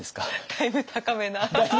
だいぶ高めな。